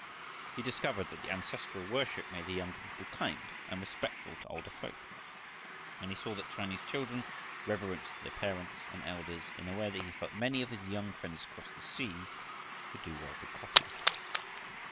He discovered that the ancestral worship made the younger people kind and respectful to older folk, and he saw that Chinese children reverenced their parents and elders in a way that he felt many of his young friends across the sea would do well to copy.